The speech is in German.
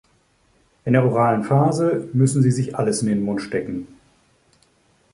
In der oralen Phase müßen sie sich alles in den Mund stecken.